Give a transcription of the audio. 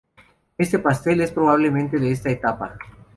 Este pastel es probablemente de esta etapa.